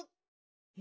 「え？